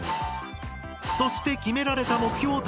そして決められた目標